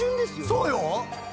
そうよ。